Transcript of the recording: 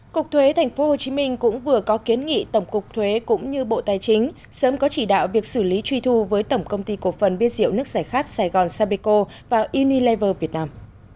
cục thuế tp hcm cũng vừa có kiến nghị tổng cục thuế cũng như bộ tài chính sớm có chỉ đạo việc xử lý truy thu với tổng công ty cộng phần biên diệu nước giải khát sài gòn sapeco vào unilever việt nam